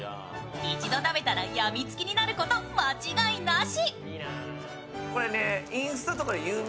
一度食べたらやみつきになること間違いなし。